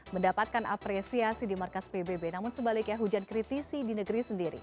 mendapatkan apresiasi di markas pbb namun sebaliknya hujan kritisi di negeri sendiri